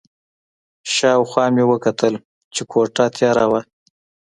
شا او خوا مې وکتل چې کوټه تیاره وه.